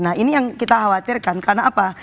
nah ini yang kita khawatirkan karena apa